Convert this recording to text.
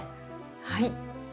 はい。